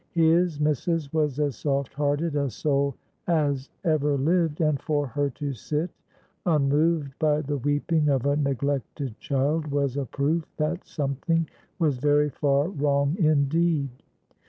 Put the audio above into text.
His missus was as soft hearted a soul as ever lived, and for her to sit unmoved by the weeping of a neglected child was a proof that something was very far wrong indeed.